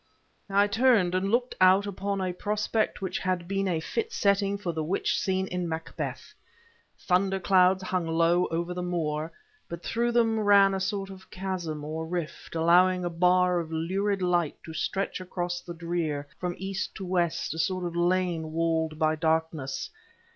I turned and looked out upon a prospect which had been a fit setting for the witch scene in Macbeth. Thunder clouds hung low over the moor, but through them ran a sort of chasm, or rift, allowing a bar of lurid light to stretch across the drear, from east to west a sort of lane walled by darkness.